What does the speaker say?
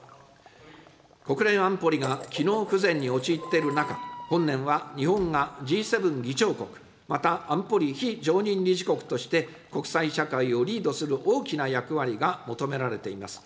国連安保理が機能不全に陥っている中、本年は日本がＧ７議長国、また、安保理非常任理事国として国際社会をリードする大きな役割が求められています。